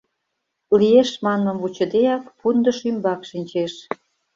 «Лиеш» манмым вучыдеак, пундыш ӱмбак шинчеш.